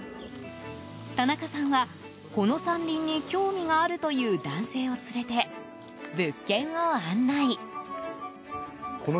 田中さんはこの山林に興味があるという男性を連れて物件を案内。